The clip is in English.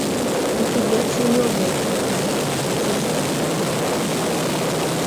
"If he gets in your way, let me know", Disney said to Kinney.